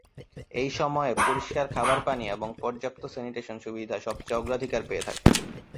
এই সময়ে পরিষ্কার খাবার পানি এবং পর্যাপ্ত স্যানিটেশন সুবিধা সবচেয়ে অগ্রাধিকার পেয়ে থাকে।